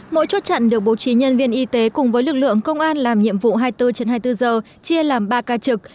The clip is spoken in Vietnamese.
mỗi chốt chặn được bố trí nhân viên y tế cùng với lực lượng công an làm nhiệm vụ hai mươi bốn trên hai mươi bốn giờ chia làm ba ca trực